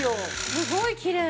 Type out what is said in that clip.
すごいきれい。